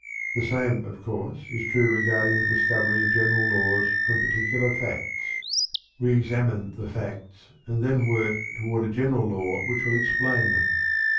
The same, of course, is true regarding the discovery of general laws from particular facts. We examine the facts and then work toward a general law which will explain them.